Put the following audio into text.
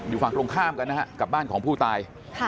ฝั่งตรงข้ามกันนะฮะกับบ้านของผู้ตาย